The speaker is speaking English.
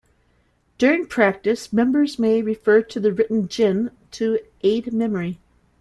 During practice, members may refer to the written "gin" to aid memory.